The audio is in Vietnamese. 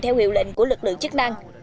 theo hiệu lệnh của lực lượng chức năng